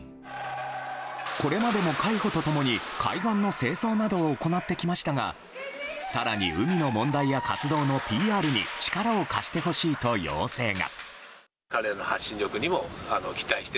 これまでも、海保と共に海岸の清掃などを行ってきましたが更に海の問題や活動のＰＲに力を貸してほしいと要請が。